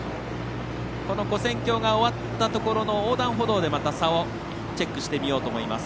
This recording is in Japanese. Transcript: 跨線橋が終わったところの横断歩道で差をチェックしてみようと思います。